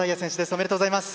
おめでとうございます。